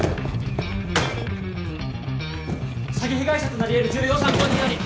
詐欺被害者となりえる重要参考人あり！